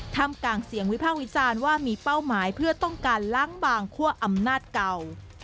ทำกลางเสียงวิพากษ์วิจารณ์ว่ามีเป้าหมายเพื่อต้องการล้างบางคั่วอำนาจเก่า